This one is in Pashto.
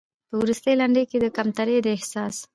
په وروستۍ لنډۍ کې د کمترۍ د احساس